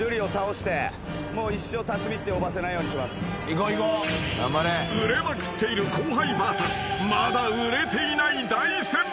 『Ｇ線上のアリア』［売れまくっている後輩ＶＳまだ売れていない大先輩］